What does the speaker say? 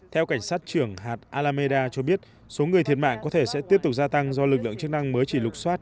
theo cảnh sát trưởng hạt alameda cho biết số người thiệt mạng có thể sẽ tiếp tục gia tăng do lực lượng chức năng mới chỉ lục xoát